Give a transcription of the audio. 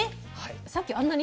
さっきあんなに。